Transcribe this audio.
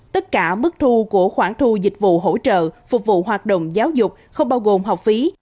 tất cả mức thu của khoản thu dịch vụ hỗ trợ phục vụ hoạt động giáo dục không bao gồm học phí